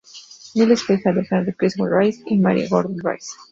Niles fue hija de Henry Crenshaw Rice y Maria Gordon Rice.